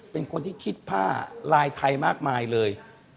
เป็นคนที่คิดผ้าลายไทยมากมายเลย